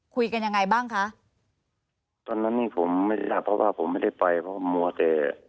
คุยกันยังไงบ้างคะตอนนั้นนี่ผมไม่ได้รับเพราะว่าผมไม่ได้ไปเพราะมัวแต่